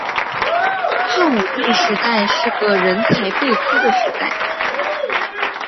汉武帝时代是个人才辈出的时代。